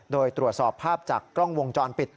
โดยตรวจสอบภาพจากกล้องวงจรปิด